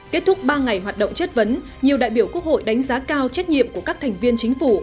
kết thúc ba ngày hoạt động chất vấn nhiều đại biểu quốc hội đánh giá cao trách nhiệm của các thành viên chính phủ